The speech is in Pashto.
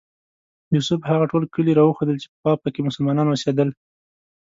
یوسف هغه ټول کلي راوښودل چې پخوا په کې مسلمانان اوسېدل.